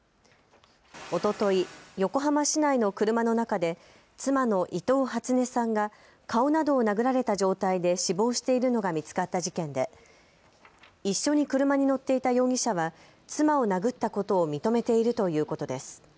おととい、横浜市内の車の中で妻の伊藤初音さんが顔などを殴られた状態で死亡しているのが見つかった事件で一緒に車に乗っていた容疑者は妻を殴ったことを認めているということです。